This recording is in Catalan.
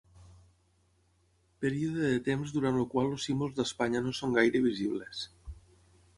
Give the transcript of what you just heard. Període de temps durant el qual els símbols d'Espanya no són gaire visibles.